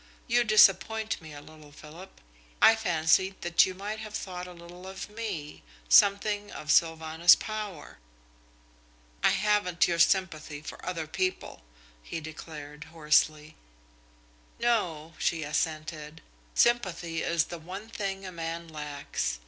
You disappoint me a little, Philip. I fancied that you might have thought a little of me, something of Sylvanus Power." "I haven't your sympathy for other people," he declared hoarsely. "No," she assented, "sympathy is the one thing a man lacks.